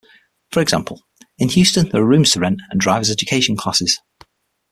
For example, in Houston there are rooms to rent and Drivers Education classes.